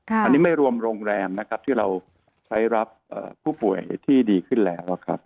อันนี้ไม่รวมโรงแรมนะครับที่เราใช้รับผู้ป่วยที่ดีขึ้นแล้วครับ